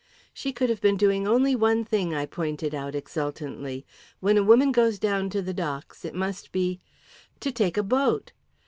"She could have been doing only one thing," I pointed out exultantly. "When a woman goes down to the docks, it must be " "To take a boat!"